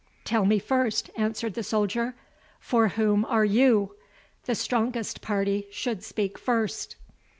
"Tell me first," answered the soldier, "for whom are you? the strongest party should speak first."